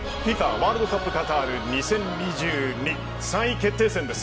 ワールドカップカタール２０２２３位決定戦です。